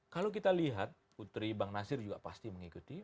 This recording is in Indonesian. kalau kita lihat putri bang nasir juga pasti mengikuti